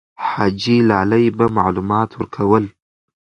حاجي لالی به معلومات ورکول.